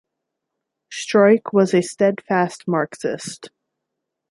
Struik was a steadfast Marxist.